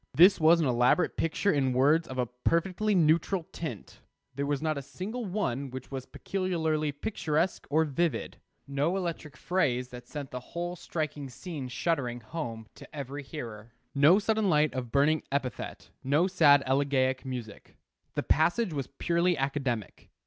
This was an elaborate picture in words of a perfectly neutral tint. There was not a single one which was peculiarly picturesque or vivid; no electric phrase that sent the whole striking scene shuddering home to every hearer; no sudden light of burning epithet, no sad elegiac music. The passage was purely academic.